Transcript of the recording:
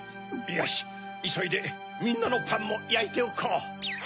よしいそいでみんなのパンもやいておこう。